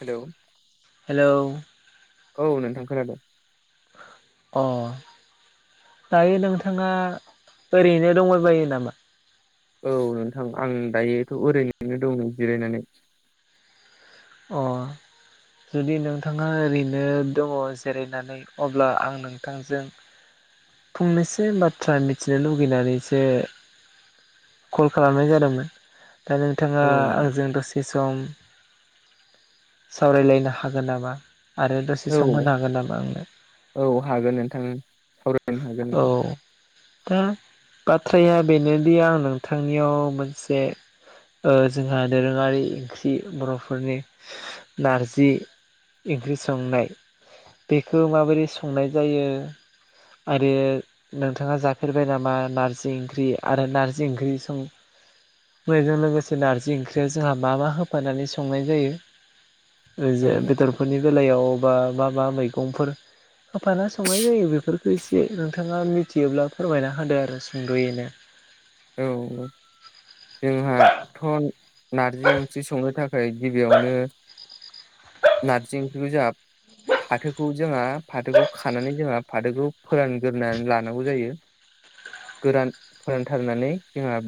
Hello hello औ नोंथां खोनादों अ दायो नोंथांङा ओरैनो दंबायबायो नामा? औ नोंथां आं दायोथ' ओरैनो दं जिरायनानै अ जुदि नोंथांङा ओरैनो दंङ' जिरायनानै अब्ला आं नोंथांजों फंनैसो बाथ्रा मिथिनो लुगैनानैसो कल खालामनाय जादोंमोन दा नोंथांङा औ आंजों दसे सम सावरायलायनो हागोन नामा? आरो दसे औ सम होनो हागोन नामा आंनो? औ हागोन नोंथां सावरायनो हागोन औ नोंथां दा बाथ्राया बेनोदि आं नोंथांनियाव मोनसे ओ जोंहा दोरोङारि ओंख्रि बर' फोरनि नारजि ओंख्रि संनाय बेखो माबोरै संनाय जायो आरो नोंथांङा जाफेरबाय नामा नार्जि ओंख्रि आरो नार्जि ओंख्रि सं बैजों लोगोसे नार्जि ओंख्रियाव जोंहा मा मा होफानानै सं नाय जायो ओ जो औ बेदरफोरनि बेलायाव बा मा मा मैगंफोर होफाना संनाय जायो बेफोरखो एसे नोंथांङा मिथियोब्ला फोरमायना होदो आरो सुंद'यैनो औ औ जोंहा थ' नार्जि ओंख्रि संनो थाखोय गिबियावनो नार्जि ओंख्रिखौ जाहा फाथोखौ जोंहा फाथोखौ खानानै जोंहा फाथोखौ फोरानग्रोनान लानांगौ जायो गोरान थांनानै जोंहा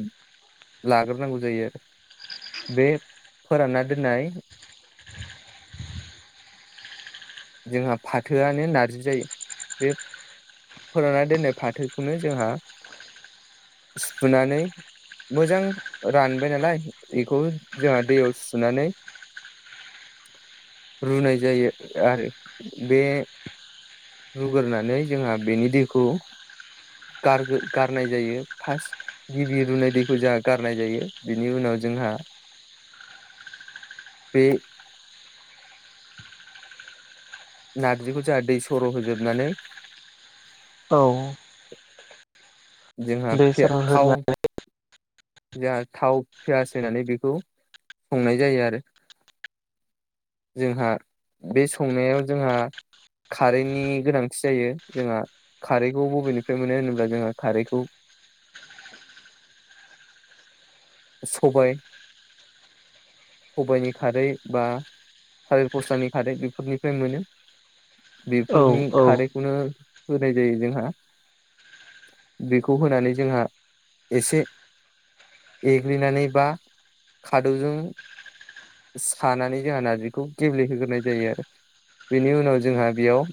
लाग्रोनांगौ जायो बे फोरानना दोननाय जोंहा फाथोआनो नार्जि जायो बे फोरानना दोननाय फाथोखौनो जोंहा सुनानै मोजां रानबाय नालाय एखौ जोंहा दैयाव सुनानै रुनाय जायो आरो बे रुगोरननै जोंहा बेनि दैखौ गारग्रो गारनाय जायो फास गिबि रुनाय दैखौ जोंहा गारनाय जायो बिनि उनाव जोंहा बे नार्जिखौ जोंहा दै सर' होजोबनानै औ जोंहा दे पिया सरन होना थाव जोंहा थाव पियास होनानै बेखौ संनाय जायो आरो जोंहा बे संनायाव जोंहा खारैनि गोनांथि जायो जोंहा खारैखौ बबेनिफ्राय मोनो होनोब्ला जोंहा खारैखौ सबाय सबायाइनि खारै बा थाइेर पसतानि खारै बेफोरनिफ्राय मोनो औ बेफोरनि औ खारै बे खौनो होनाय जायो जोंहा बेखौ होनानै जोंहा एसे एग्लिनानै बा खादौजों सानानै जोंहा नारजिखौ गेब्लेहोग्रोनाय जायो आरो। बेनि उनाव जोंहा बेयाव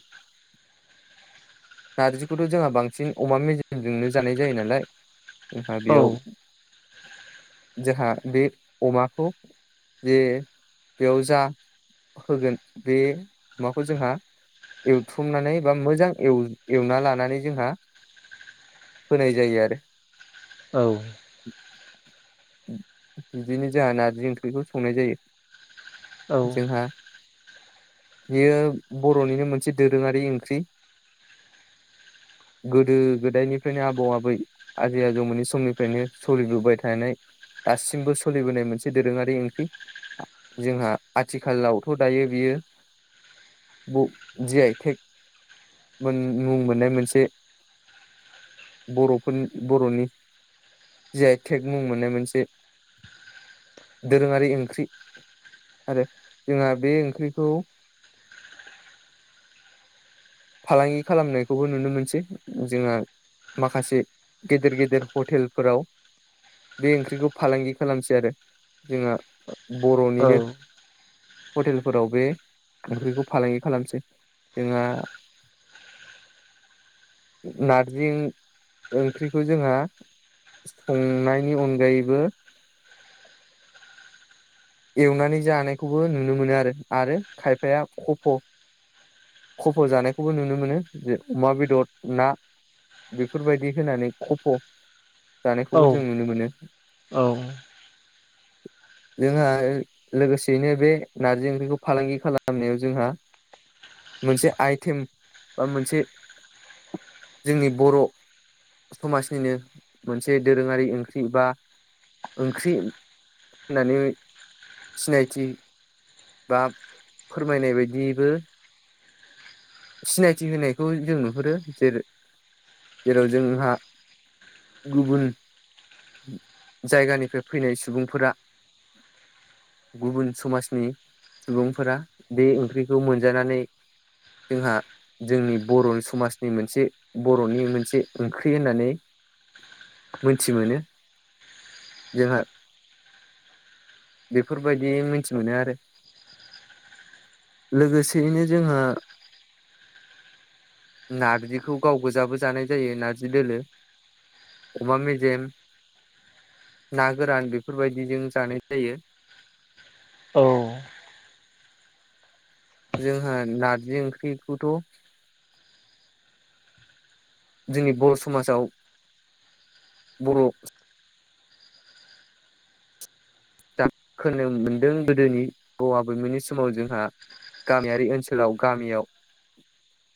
नारजिखौथ' जोंहा बांसिन अमा मेजेमजोंनो जानाय जायो नालाय जोंहा औ बेयाव जोंहा बे अमाखौ जे बेयाव जा होगोन बे माबाखौ जोंहा एवथुमनानै बा मोजां एवना लानानै जोंहा होनाय जायो आरो। औ बिदिनो जोंहा नारजि ओंख्रिखौ संनाय जायो। औ जोंहा बेयो बर'निनो मोनसे दोरोङारि ओंख्रि। [inaudible] गोदो गोदायनिफ्रायनो आबौ आबै आजै आजौमोननि समनिफ्रायनो सोलिबोबाय थानाय दासिमबो सोलिबोनाय मोनसे दोरोङारि ओंख्रि जोंहा आथिखालावथ' दायो बियो। ब ज आइक मोन मुं मोननाय मोनसे। बर'फोरनि बर'नि ज टेग म आ मोननाय मोनसे दोरोङारि ओंख्रि आरो जोंहा बे ओंख्रिखौ फालांगि खालामनायखौबो नुनो मोनसै जोंहा। माखासे गेदेर गेदेर हटेलफोराव बे ओंख्रिखौ फालांगि खालामसै आरो जोंहा बर'निनो हटेलफोराव बे ओंख्रिखौ फालांगि खालामसै जोंहा नारजि ओंख्रिखौ जोंहा संनायनि अनगायैबो एवनानै जानायखौबो नुनो मोनो आरो आरो खायफाया खफ' खफ' जानायखौबो नुनो मोनो जे अमा बेदद ना बेफोरबायदि होनानै खफ' औ जानायखौबो जों नुनो मोनो। औ जोंहा लोगोसेयैनो बे नारजि ओंख्रिखौ फालांगि खालामनायाव जोंहा मोनसे आइटेम बा मोनसे जोंनि बर' समाजनिनो मोनसे दोरोङारि ओंख्रि बा ओंख्रि होननानै सिनायथि बा फोरमायनाय बायदिबो सिनायथि होनायखौ जों नुहुरो। जेरो जेराव जोंहा गुबुन जायगानिफ्राय फैनाय सुबुंफोरा गुबुन समाजनि सुबुंफोरा बे ओंख्रिखौ मोनजानानै जोंहा जोंनि बर' समाजनि मोनसे बर'नि मोनसे ओंख्रि होननानै मोनथि मोनो। जोंहा बेफोरबायदि मोनथि मोनो आरो। लोगोसेयैनो जोंहा नारजिखौ गाव गोजाबो जानाय जायो नारजि दोलो। अमा मेजेम ना गोरान बेफोरबायदिजों जानाय जायो। औ। जोंहा नारजि ओंख्रिखौथ' जोंनि बर' समाजाव बर' दा खोनानो मोनदों गोदोनि औबै आबौमोननि समाव जोंहा गामियारि ओनसोल सोलाव गामियाव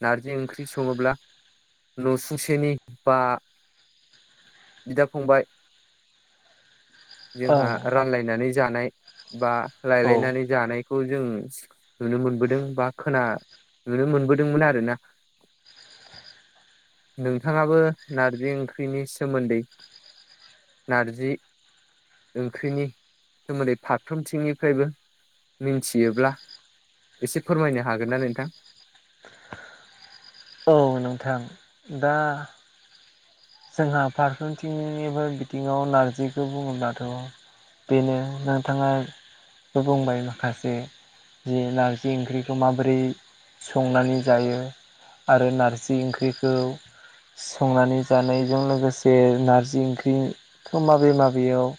नारजि ओंख्रि सङोब्ला न'सुंसेनि बा बिदा फंबाय जोंहा रानलायनानै जानाय बा औ लायलायनानै जानाय खौ जों नुनो मोनबोदों बा खोना नुनो मोनबोदोंमोन आरोना। [inaudible] नोंथाङाबो नारजि ओंख्रिनि सोमोन्दै नारजि ओंख्रिनि सोमोन्दै फारफ्रोमथिंनिफ्रायबो मिन्थियोब्ला एसे फोरमायनो हागोनना नोंथां? औ नोंथां दा जोंहा फारसेथिंनिबो बिथिङाव नारजिखौ बुङोब्लाथ' बेनो नोंथाङा बुंबाय माखासे जि नारजि ओंख्रिखौ माबोरै संनानै जायो आरो नारजि ओंख्रिखौ संनानै जानायजों लोगोसे नारजि ओंख्रिखो माबे माबेयाव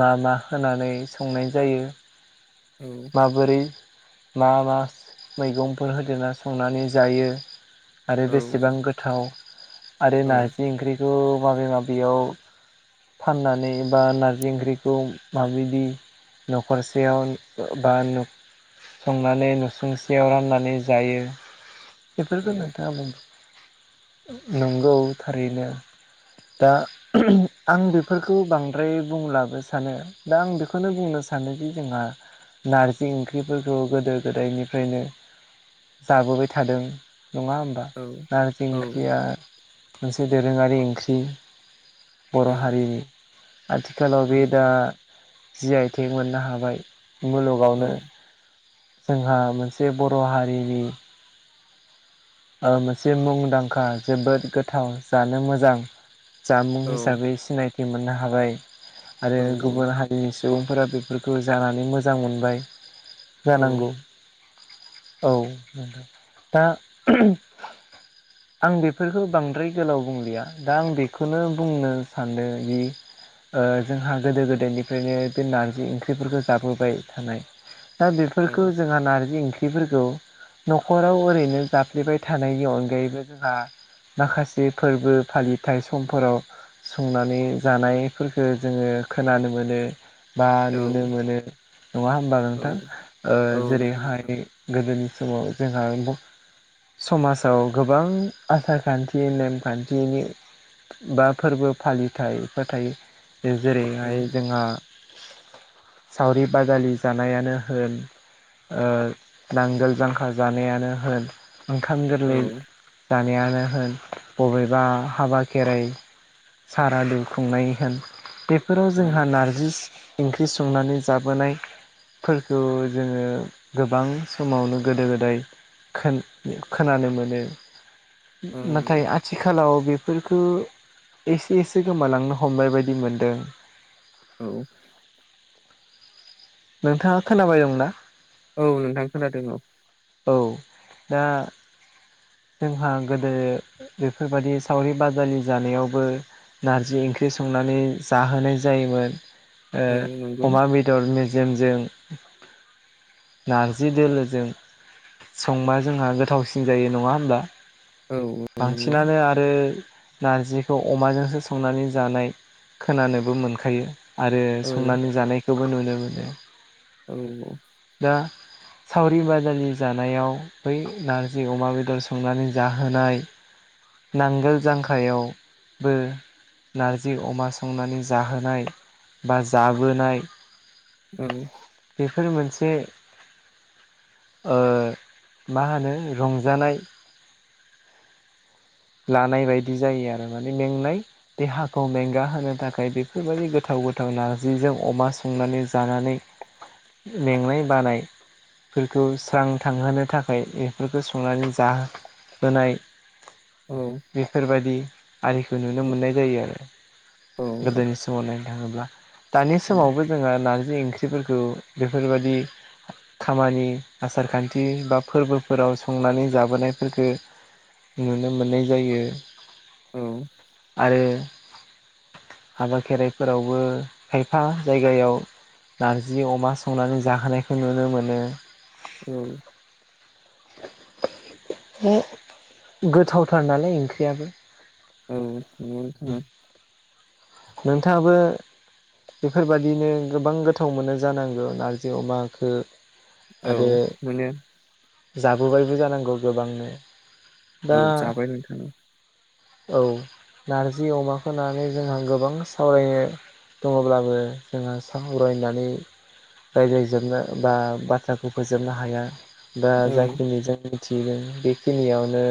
मा मा होनानै संनाय जायो। औ। माबोरै मा मा मैगंफोर होदेरना संनानै जायो। आरो औ बेसेबां गोथाव आरो औ नारजि ओंख्रिखौ माबे माबेयाव फाननानै बा नारजि ओंख्रिखौ माबायदि न'खरसेयाव बा न संनानै नुसुंसेयाव राननानै जायो। औ बेफोरखौ नोंथाङा बुं नंगौ थारैनो। दा आं बेफोरखौ बांद्राय बुंलाबो सानो। दा आं बेखौनो बुंनो सानोदि जोंहा नारजि ओंख्रिफोरखौ गोदो गोदायनिफ्रायनो जाबोबाय थादों नङा होमबा? औ नारजि औ ओंख्रिया मोनसे दोरोङारि ओंख्रि। औ बर' हारिनि आथिखालाव बे दा जि आय तेग मोननो हाबाय। औ मुलुगावनो जोंहा मोनसे बर' हारिनि ओ मोनसे मुंदांखा जोबोद गोथाव जानो मोजां जामुं औ हिसाबै सिनायथि मोननो हाबाय आरो गुबुन हा [unintelligible] सुबुंफोरा बेफोरखौ जानानै मोजां मोनबाय जानांगौ औ नोंथां दा आं बेफोरखौ बांद्राय गोलाव बुंलिया दा आं बेखौनो बुंनो सानदों जि ओ जोंहा गोदो गोदायनिफ्रायनो बे नारजि ओंख्रिफोरखौ जाबोबाय थानाय दा औ बेफोरखौ जोंहा नारजि ओंख्रिफोरखौ न'खराव ओरैनो जाफ लिबाय थानायनि अनगायैबो जोंहा माखासे फोरबो फालिथाय समफोराव संनानै जानायफोरफोरखो जोङो खोनानो मोनो। बा औ नुनो मोनो नङा होमबा औ नोंथां ओ औ नंगौ नोंथां जेरैहाय गोदोनि समाव जोंहा समाजाव गोबां आसार खान्थि नेमखान्थिनि बा फोरबो फालिथायफोर थायो औ जे-जेरैहाय जोंहा सावरि बाजालि जानायानो होन ओ नांगोल जांखा जानायानो होन ओंखाम औ गोरलै जानायानो होन बबेबा हाबा खेराइ साराादउ खुंनाय होन बेफोराव औ जोंहा नारजि ओंख्रि संनानै जाबोनाय फोरखौ जोङो गोबां समावनो गोदो गोदाय खोन खोनानो मोनो औ नाथाय आ थिखालाव बेफोरखौ एसे एसे गोमालांनो हमनाय बायदि मोनदों। औ नोंथाङा खोनाबाय दं ना? औ नोंथां खोनादों औ। औ दा जोंहा गोदो बेफोरबायाददि सावरि बाजालि जानायावबो नारजि ओंख्रि संनानै जाहोनाय जायोमोन औ नंगौ ओ अमा बे दर मेजेमजों नारजि दोलोजों संबा जोंहा गोथावसिन जायो नङा होमब्ला औ औ नंगौ बांसिनानो आरो नारजिखौ अमाजोंसो संनानै जानाय खोनानोबो मोनखायो आरो औ संनानै जानायखौबो नुनो मोनो। औ औ दा सावरि बाजालि जानायाव बै नारजि अमा बेदर संनानै जाहोनाय नांगोल जांखायाव बो नारजि अमा संनानै जाहोनाय बा जाबोनाय औ बेफोर मोनसे ओ मा होनो रंजानाय लानाय बायदि जायो आरो माने मेंनाय देहाखौ मेंगा होनो थाखाय बेफोरबायदि गोथाव गोथाव नारजिजों अमा संनानै जानानै मेंनाय बानाय फोरखौ स्रां थांहोनो थाखाय बेफोरखौ संनानै जाहोनाय औ बेफोरबायदि आरिखौ नुनो मोननाय जायो आरो औ गोदोनि समावनो थाङोब्ला दानि नंगौ समावबो जोङो नारजि ओंख्रिफोरखौ बेफोरबादि खामानि आसार खान्थि बा फोरबोफोराव संनानै जाबोनायफोरखो नुनो मोननाय जायो आरो हाबा खेराइफोरावबो खायफा जायगायाव नारजि अमा संनानै जाहोनायखौ नुनो मोनो औ हो गोथावथार नालाय ओंख्रियाबो औ नोंथाङाबो बेफोरबादिनो गोबां गोथाव मोनो जानांगौ नारजि अमाखो औ आरो मोनो जाबोबायबो जानांगौ गोबांनो दा औ जाबाय नोंथां औ नारजि अमाखौ नानै जोंहा गो बां सावरायनो दङब्लाबो जोंहा सावरायनानै रायज्लायजोबनो बा बाथ्राखौ फोजोबनो हाया बा औ जाखिनि जों थिदों बेखिनियावनो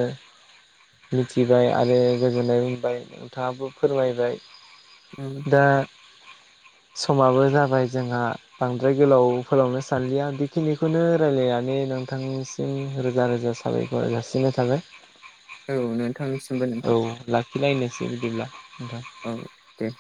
मिथिबाय आरो गोजोनबाय नोंथाङाबो फोरमायबाय उम दा समाबो जाबाय जोंहा बांद्राय गोलाव फोलावनो सानलिया बेखिनिखौनो रायलायनानै नोंथांनि सि म रोजा रोजा साबायखर जासिनाय थाबाय। औ नोंथांनिसिमबो नोंथां रायज्लाय निसै बिदिब्ला नोंथां औ दे